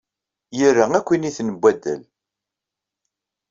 Yera akk initen n waddal.